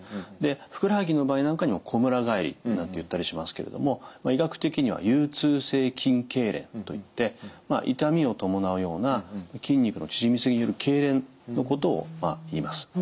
ふくらはぎの場合なんかにもこむら返りなんていったりしますけれども医学的には有痛性筋けいれんといって痛みを伴うような筋肉の縮みすぎるけいれんのことをいいます。